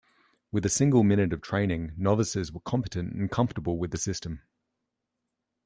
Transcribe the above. With a single minute of training, novices were competent and comfortable with the system.